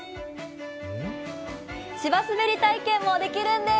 芝滑り体験もできるんです。